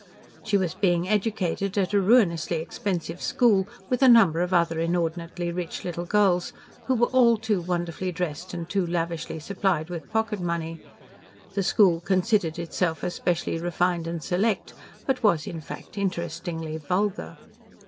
She was being educated at a ruinously expensive school with a number of other inordinately rich little girls, who were all too wonderfully dressed and too lavishly supplied with pocket money. The school considered itself especially refined and select, but was in fact interestingly vulgar.